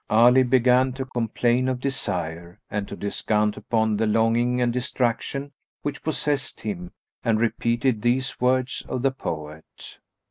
Ali began to complain of desire and to descant upon the longing and distraction which possessed him, and repeated these words of the poet.